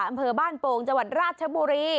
อำเภอบ้านโป่งจังหวัดราชบุรี